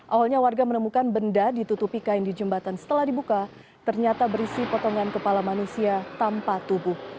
awalnya warga menemukan benda ditutupi kain di jembatan setelah dibuka ternyata berisi potongan kepala manusia tanpa tubuh